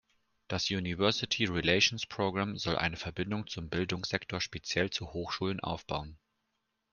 Das „University Relations Program“ soll eine Verbindung zum Bildungssektor, speziell zu Hochschulen, aufbauen.